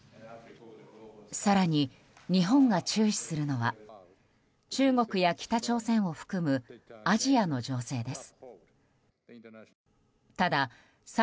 更に日本が注視するのは中国や北朝鮮を含むアジアの情勢です。